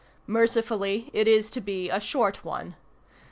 Mercifully it is to be a short one.